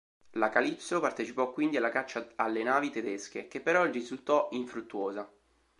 La "Calypso" partecipò quindi alla caccia alle navi tedesche, che però risultò infruttuosa.